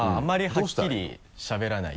はっきりしゃべらない。